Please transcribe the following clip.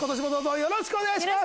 よろしくお願いします。